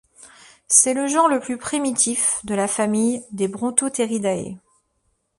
C'est le genre le plus primitif de la famille des Brontotheriidae.